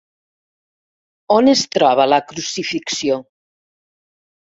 On es troba la Crucifixió?